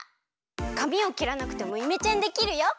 かみをきらなくてもイメチェンできるよ。